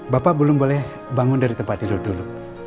bapak belum boleh bangun dari tempat tidur dulu